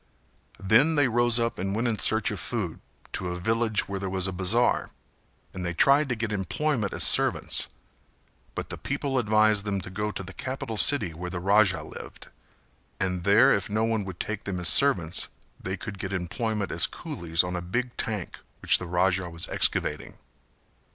Then they rose up and went in search of food to a village where there was a bazar, and they tried to get employment as servants; but the people advised them to go to the capital city where the Raja lived, and there if no one would take them as servants they could get employment as coolies on a big tank which the Raja was excavating.